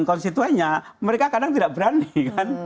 konstituennya mereka kadang tidak berani kan